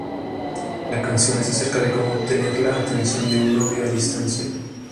La canción es acerca de cómo obtener la atención de un novio a distancia.